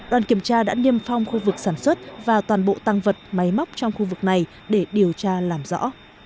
đoàn kiểm tra đã niêm phong khu vực sản xuất và toàn bộ tăng vật máy móc trong khu vực này để điều tra làm rõ